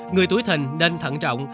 người tuổi thình nên thận trọng